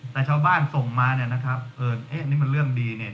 แต่ชาวบ้านส่งมาเนี่ยนะครับเออเอ๊ะนี่มันเรื่องดีเนี่ย